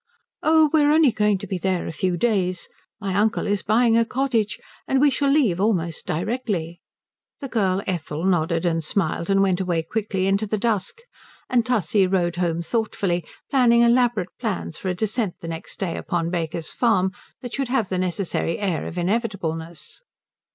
"Oh, we're only going to be there a few days. My uncle is buying a cottage, and we shall leave almost directly." The girl Ethel nodded and smiled and went away quickly into the dusk; and Tussie rode home thoughtfully, planning elaborate plans for a descent the next day upon Baker's Farm that should have the necessary air of inevitableness.